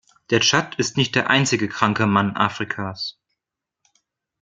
Der Tschad ist nicht der einzige kranke Mann Afrikas.